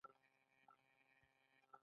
اضافي ارزښت پنځه ویشت میلیونه افغانۍ دی